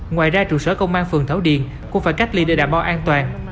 ngoài ra trụ sở công an phường thảo điền cũng phải cách ly để đảm bảo an toàn